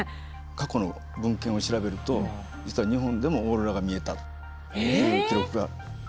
過去の文献を調べると実は日本でもオーロラが見えたっていう記録が残ってるんです。